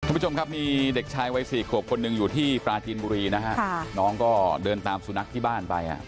ทุกผู้ชมครับมีเด็กชายไว้๔ขวบคนนึงอยู่ที่ปราธิณบุรีน้องก็เดินตามสุนักที่บ้านอ่ะ